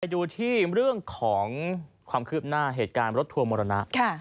ดูที่เรื่องของความคืบหน้าเหตุการณ์รถทัวร์มรณะ